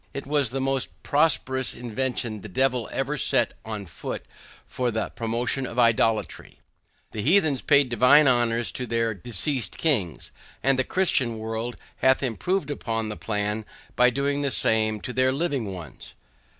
It was the most prosperous invention the Devil ever set on foot for the promotion of idolatry. The Heathens paid divine honors to their deceased kings, and the christian world hath improved on the plan by doing the same to their living ones.